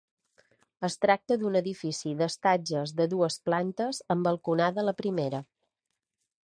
Es tracta d'un edifici d'estatges de dues plantes amb balconada a la primera.